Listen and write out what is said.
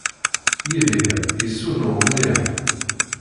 Yidir yessunuɣ mliḥ.